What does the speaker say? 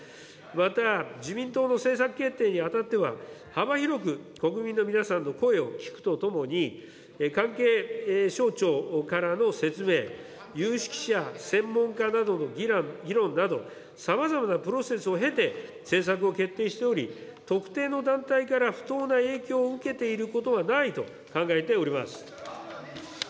また、自民党の政策決定に当たっては、幅広く国民の皆さんの声を聞くとともに、関係省庁からの説明、有識者、専門家などの議論など、さまざまなプロセスを経て政策を決定しており、特定の団体から不当な影響を受けていることはないと考えております。